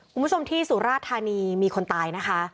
คุณผู้ชมที่สุราธานีมีคนตายนะคะ